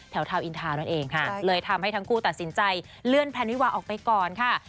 ทาวนอินทานั่นเองค่ะเลยทำให้ทั้งคู่ตัดสินใจเลื่อนแพนวิวาออกไปก่อนค่ะ